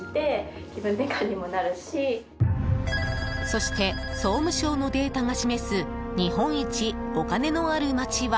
そして総務省のデータが示す日本一お金のあるまちは。